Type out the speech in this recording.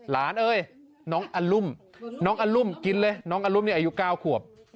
เอ้ยน้องอรุมน้องอรุมกินเลยน้องอรุมนี่อายุ๙ขวบ